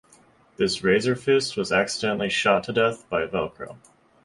This Razor-Fist was accidentally shot to death by Velcro.